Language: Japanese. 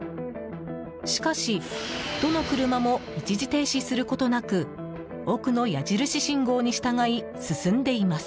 しかしどの車も一時停止することなく奥の矢印信号に従い進んでいます。